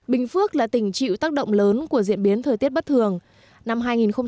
bình phước là tỉnh chịu tác động lớn của diễn biến thời tiết bất thường năm hai nghìn một mươi bảy